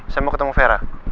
saya mau ketemu vera